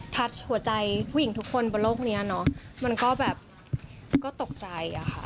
ทัชหัวใจผู้หญิงทุกคนบนโลกนี้มันก็ตกใจ